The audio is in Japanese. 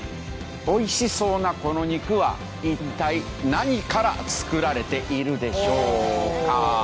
おいしそうなこの肉はいったい何からつくられているでしょうか？